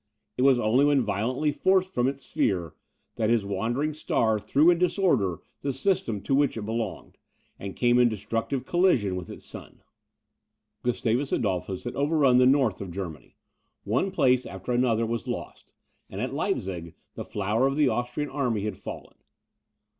It was only when violently forced from its sphere, that his wandering star threw in disorder the system to which it belonged, and came in destructive collision with its sun. Gustavus Adolphus had overrun the north of Germany; one place after another was lost; and at Leipzig, the flower of the Austrian army had fallen.